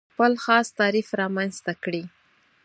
خپل خاص تعریف رامنځته کړي.